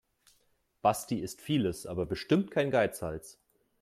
Basti ist vieles, aber bestimmt kein Geizhals.